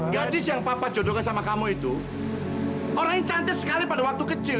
gadis yang papa jodohin sama kamu itu orang yang cantik sekali pada waktu kecil